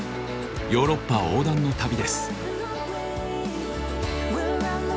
ヨーロッパ横断の旅です。